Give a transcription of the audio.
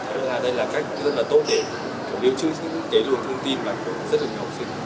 và em thấy đây là cách rất là tốt để điều trữ những cái luồng thông tin của rất nhiều học sinh